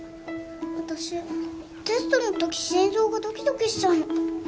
私テストのとき心臓がドキドキしちゃうの。